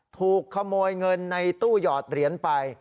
ถูกขโมยเงินในตู้หยอดเหรียญไป